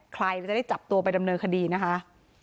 ใครจะได้จับตัวไปดำเนินคดีนะคะ